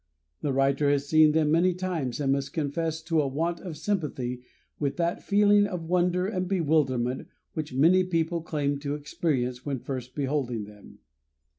The writer has seen them many times and must confess to a want of sympathy with that feeling of wonder and bewilderment which many people claim to experience when first beholding them.